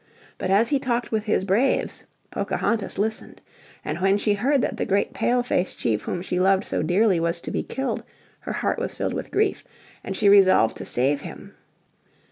But as he talked with his braves Pocahontas listened. And when she heard that the great Pale face Chief whom she loved so dearly was to be killed, her heart was filled with grief, and she resolved to save him.